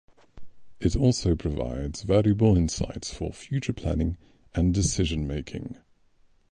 It also provides valuable insights for future planning and decision-making.